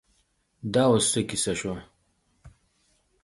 دا اوس څه کیسه شوه.